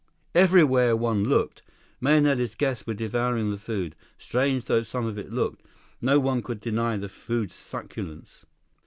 Everywhere one looked, Mahenili's guests were devouring the food. Strange though some of it looked, no one could deny the food's succulence.